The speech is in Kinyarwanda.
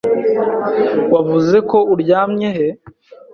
Wavuze ko uryamye he?